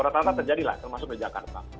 rata rata terjadi lah termasuk di jakarta